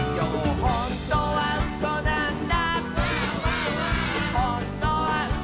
「ほんとにうそなんだ」